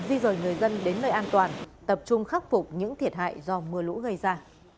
di rời người dân đến nơi an toàn tập trung khắc phục những thiệt hại do mưa lũ gây ra